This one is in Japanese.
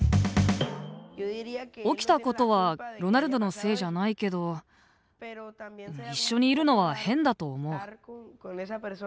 起きたことはロナルドのせいじゃないけど一緒にいるのは変だと思う。